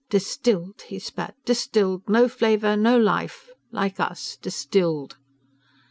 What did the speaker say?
"Distilled," he spat. "Distilled ... no flavor ... no life ... like us ... distilled."